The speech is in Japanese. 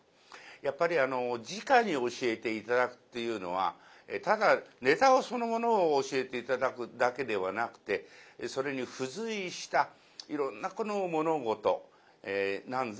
やっぱりじかに教えて頂くっていうのはただネタそのものを教えて頂くだけではなくてそれに付随したいろんな物事なんぞも教えて頂ける。